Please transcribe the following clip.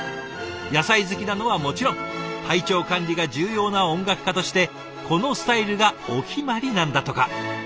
野菜好きなのはもちろん体調管理が重要な音楽家としてこのスタイルがお決まりなんだとか。